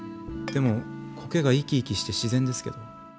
でも苔が生き生きして自然ですけど。